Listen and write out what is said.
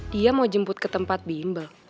dia mau jemput ke tempat bimbang